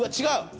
違う？